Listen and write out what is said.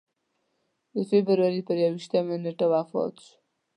د فبروري پر یوویشتمه نېټه وفات شو.